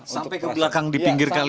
sampai ke belakang di pinggir kali sana ya